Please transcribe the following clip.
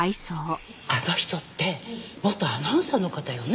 あの人って元アナウンサーの方よね？